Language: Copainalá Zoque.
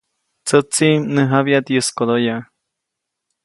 Tsätsi, mnäjabyaʼt yäskodoyaʼ.